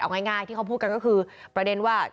เอาง่ายที่เขาพูดกันก็คือประเด็นว่า